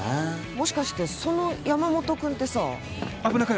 もしかしてその山本君ってさ。危ない！